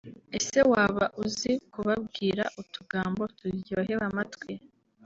Ese waba uzi kubabwira utugambo turyoheye amatwi